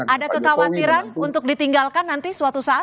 ada kekhawatiran untuk ditinggalkan nanti suatu saat